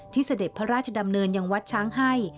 เสด็จพระราชดำเนินยังวัดช้างให้